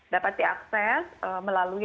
dapat diakses melalui